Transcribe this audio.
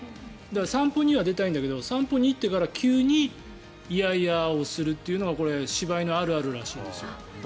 散歩には出たいんだけど散歩に行ってから急にいやいやをするというのがこれ柴犬あるあるらしいんですよ。